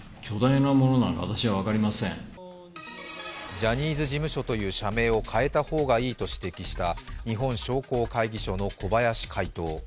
ジャニーズ事務所という社名を変えた方がいいと指摘した日本商工会議所の小林会頭。